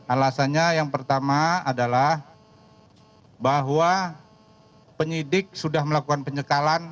alasannya yang pertama adalah bahwa penyidik sudah melakukan penyekalan